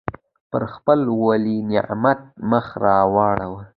پر خپل ولینعمت مخ را اړوي.